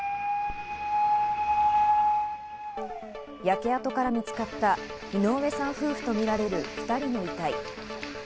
焼け跡から見つかった井上さん夫婦とみられる２人の遺体。